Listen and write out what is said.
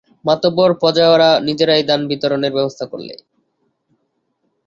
মাতব্বর প্রজারা নিজেরাই দানবিতরণের ব্যবস্থা করলে।